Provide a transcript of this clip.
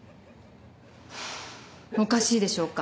おかしいでしょうか。